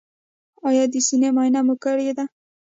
ایا د سینې معاینه مو کړې ده؟